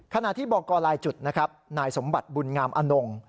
ขณะที่บอกกรลายจุดนะครับนายสมบัติบุญงามอนง